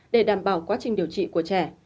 để đảm bảo quá trình điều trị của trẻ